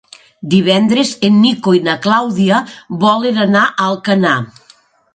Divendres en Nico i na Clàudia volen anar a Alcanar.